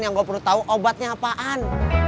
yang gue perlu tahu obatnya apaan